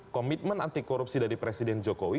komitmen anti korupsi dari presiden jokowi